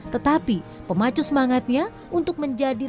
tetapi pemacu semangatnya untuk menjadi